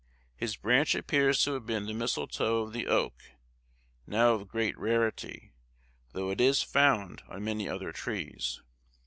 His branch appears to have been the misletoe of the oak, now of great rarity, though it is found on many other trees.